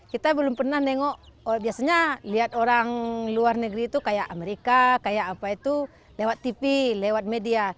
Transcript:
kita belum pernah nengok biasanya lihat orang luar negeri itu kayak amerika kayak apa itu lewat tv lewat media